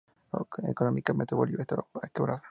Económicamente, Bolivia estaba quebrada.